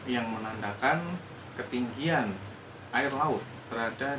yang menandakan ketinggian air laut berada di